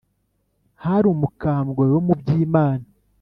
Hari umukambwe wo mu Byimana